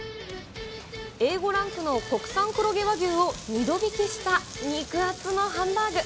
Ａ５ランクの国産黒毛和牛を二度びきした肉厚のハンバーグ。